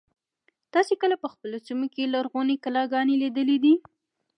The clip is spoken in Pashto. تاسې کله په خپلو سیمو کې لرغونې کلاګانې لیدلي دي.